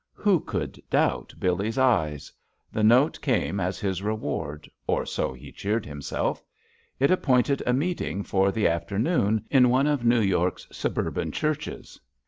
Who could doubt Billee's eyes? The note came as his reward, or so he cheered him self. It appointed a meeting for the after noon in one of New York's suburban churches.